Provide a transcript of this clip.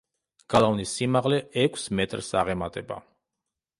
გალავნის სიმაღლე ექვს მეტრს აღემატება.